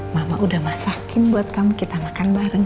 mama udah masakin buat kamu kita makan bareng